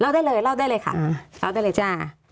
เล่าได้เลยค่ะ